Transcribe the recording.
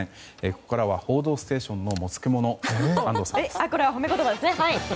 ここからは「報道ステーション」のもつけ者、安藤さんです。